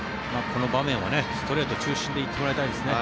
この場面はストレート中心で行ってもらいたいですね。